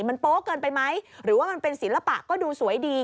มันโป๊ะเกินไปไหมหรือว่ามันเป็นศิลปะก็ดูสวยดี